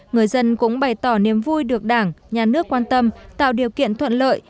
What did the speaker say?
người dân cũng bày tỏ niềm vui được đảng nhà nước quan tâm tạo điều kiện thuận lợi